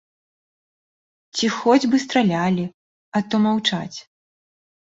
Ці хоць бы стралялі, а то маўчаць.